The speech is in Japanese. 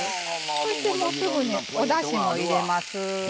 そして、すぐにおだしも入れます。